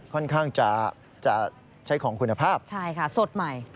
ค่อนข้างจะใช้ของคุณภาพใช่ค่ะสดใหม่